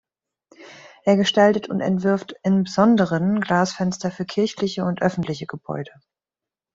Er gestaltet und entwirft im Besonderen Glasfenster für kirchliche und öffentliche Gebäude.